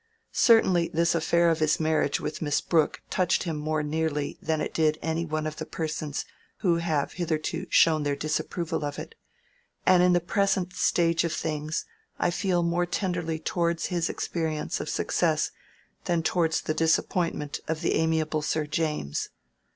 Certainly this affair of his marriage with Miss Brooke touched him more nearly than it did any one of the persons who have hitherto shown their disapproval of it, and in the present stage of things I feel more tenderly towards his experience of success than towards the disappointment of the amiable Sir James.